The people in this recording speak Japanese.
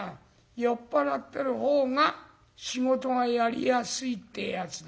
酔っ払ってるほうが仕事がやりやすいってえやつだ。